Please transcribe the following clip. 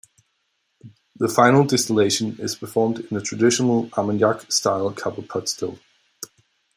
The final distillation is performed in a traditional Armagnac style copper pot still.